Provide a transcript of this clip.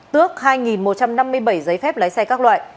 tước hai một trăm năm mươi bảy giấy phép lái xe các loại